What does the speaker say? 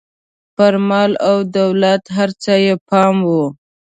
پر مال او دولت هر څه یې پام و.